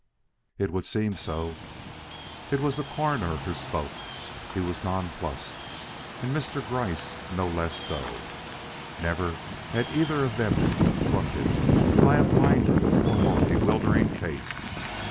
"It would seem so." It was the Coroner who spoke. He was nonplussed; and Mr. Gryce no less so. Never had either of them been confronted by a blinder or more bewildering case.